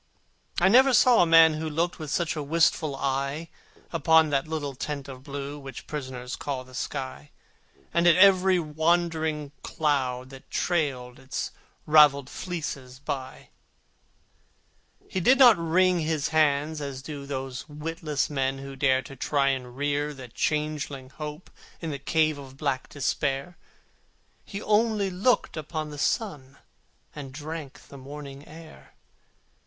I never saw a man who looked With such a wistful eye Upon that little tent of blue Which prisoners call the sky, And at every wandering cloud that trailed Its ravelled fleeces by. He did not wring his hands, as do Those witless men who dare To try to rear the changeling Hope In the cave of black Despair: He only looked upon the sun, And drank the morning air.